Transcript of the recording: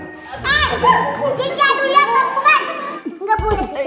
eh jin jadul ya kebukan